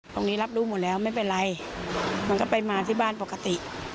รับรู้หมดแล้วไม่เป็นไรมันก็ไปมาที่บ้านปกติ